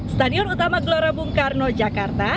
stadion utama gelora bungkarno jakarta